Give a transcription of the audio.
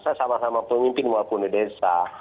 saya sama sama pun mimpin mewakuni desa